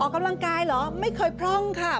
กำลังกายเหรอไม่เคยพร่องค่ะ